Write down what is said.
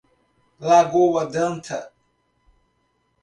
Lagoa d'Anta